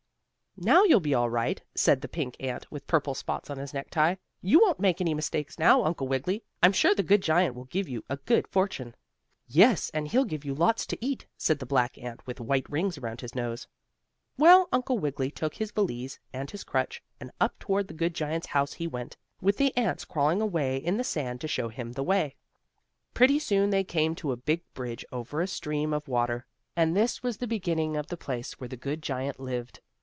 "Now you'll be all right," said the pink ant, with purple spots on his necktie. "You won't make any mistake now, Uncle Wiggily. I'm sure the good giant will give you a good fortune." "Yes, and he'll give you lots to eat," said the black ant with white rings around his nose. Well, Uncle Wiggily took his valise and his crutch and up toward the good giant's house he went, with the ants crawling along in the sand to show him the way. Pretty soon they came to a big bridge, over a stream of water, and this was the beginning of the place where the good giant lived.